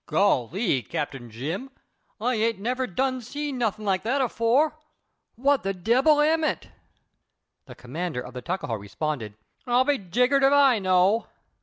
"Golly, Cap. Jim, I ain't never done seen nuthin' like that afore. What the debbil am it?" The commander of the Tuckahoe responded: "I'll be jiggered if I know."